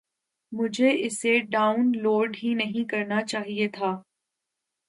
مجھے اسے download ہی نہیں کرنا چاہیے تھا